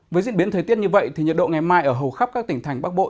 với diễn biến thời tiết như vậy thì nhiệt độ ngày mai ở hầu khắp các tỉnh thành bắc bộ